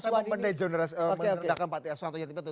saya menerdakan pake asuhan atau yatim piatu